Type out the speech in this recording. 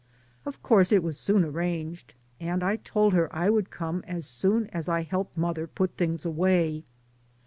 Of course it was soon arranged, and I told her I would come as soon as I helped mother put things away.